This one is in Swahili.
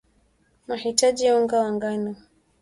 mahitaji ya unga wa ngano